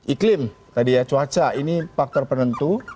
iklim tadi ya cuaca ini faktor penentu